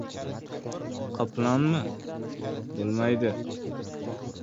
— Qoplonmi? Bo‘lmaydi!